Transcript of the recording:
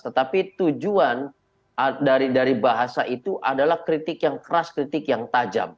tetapi tujuan dari bahasa itu adalah kritik yang keras kritik yang tajam